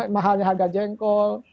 mahalnya harga jengkol